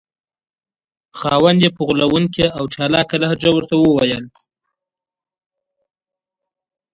خاوند یې په غولونکې او چالاکه لهجه ورته وویل.